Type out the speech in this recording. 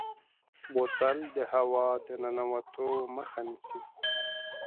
بوتل د هوا د ننوتو مخه نیسي.